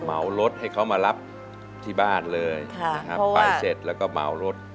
เหมารถให้เขามารับที่บ้านเลยไปเสร็จแล้วก็เหมารถ